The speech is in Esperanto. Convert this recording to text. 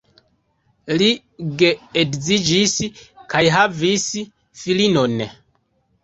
Li geedziĝis kaj havis filinon.